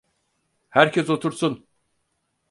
Herkes otursun!